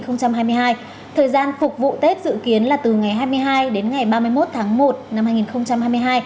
thời gian phục vụ tết dự kiến là từ ngày hai mươi hai đến ngày ba mươi một tháng một năm hai nghìn hai mươi hai